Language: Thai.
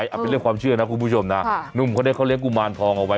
เอาเป็นเรื่องความเชื่อนะคุณผู้ชมนะหนุ่มคนนี้เขาเลี้ยกุมารทองเอาไว้